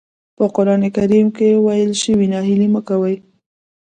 په قرآن کريم کې ويل شوي ناهيلي مه کوئ.